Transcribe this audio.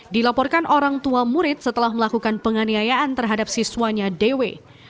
dilaporkan orang tua murid setelah melakukan penganiayaan terhadap siswanya dewi